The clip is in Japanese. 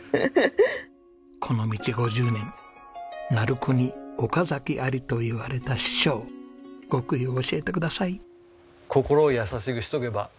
この道５０年「鳴子に岡崎あり」といわれた師匠極意を教えてください！